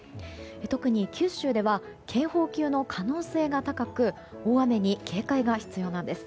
特に九州では警報級の可能性が高く大雨に警戒が必要です。